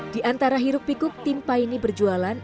di antara hirup pikuk tim pak ini berjualan